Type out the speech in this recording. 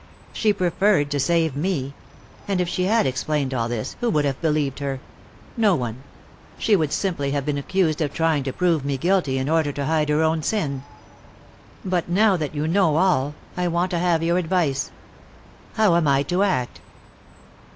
"She preferred to save me; and if she had explained all this, who would have believed her? No one. She would simply have been accused of trying to prove me guilty in order to hide her own sin. But now that you know all, I want to have your advice. How am I to act?"